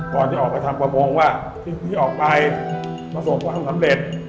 ก่อนจะออกไปทำประมงว่าสิ่งที่ออกไปประสบความสำเร็จ